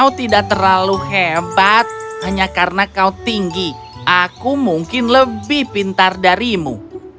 kau tidak terlalu hebat hanya karena kau tinggi aku mungkin lebih pintar darimu